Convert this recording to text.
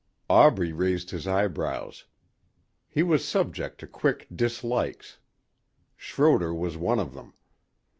Aubrey raised his eyebrows. He was subject to quick dislikes. Schroder was one of them.